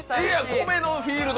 米のフィールド！